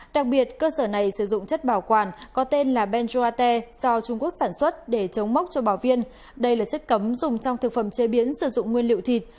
đặc biệt cơ sở này sử dụng chất bảo quản có tên là benjuate do trung quốc sản xuất để chống mốc cho bảo viên đây là chất cấm dùng trong thực phẩm chế biến sử dụng nguyên liệu thịt